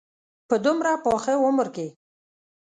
په دومره پاخه عمر کې.